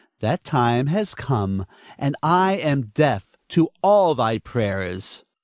That time hath come, and I am deaf to all thy prayers. Nina.